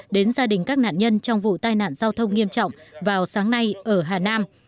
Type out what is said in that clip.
đến gia đình các nạn nhân trong vụ tai nạn giao thông nghiêm trọng vào sáng nay ở hà nam